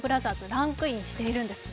ランクインしているんですね。